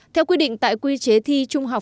theo quy định tại quy chế thi trung học